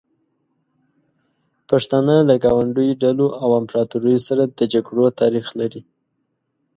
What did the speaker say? پښتانه له ګاونډیو ډلو او امپراتوریو سره د جګړو تاریخ لري.